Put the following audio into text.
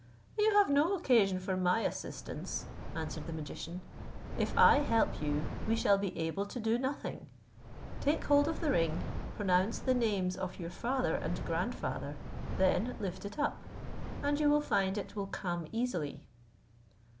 "You have no occasion for my assistance," answered the magician; "if I help you, we shall be able to do nothing; take hold of the ring, pronounce the names of your father and grandfather, then lift it up, and you will find it will come easily."